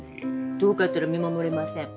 遠かったら見守れません。